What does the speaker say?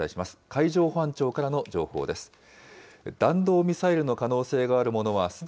海上保安庁からの情報です。